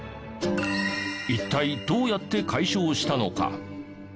一体どうやって解消したのか？